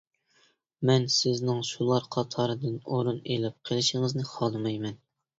مەن سىزنىڭ شۇلار قاتارىدىن ئورۇن ئېلىپ قىلىشىڭىزنى خالىمايمەن!